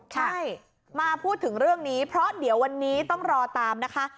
ใช่มาพูดถึงเรื่องนี้เพราะเดี๋ยววันนี้ต้องรอตามนะคะ